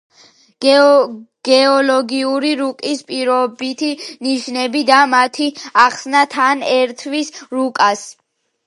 გეოლოგიური რუკის პირობითი ნიშნები და მათი ახსნა თან ერთვის რუკას.